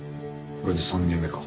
これで３件目か。